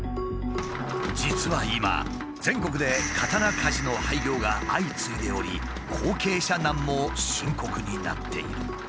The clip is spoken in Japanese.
実は今全国で刀鍛冶の廃業が相次いでおり後継者難も深刻になっている。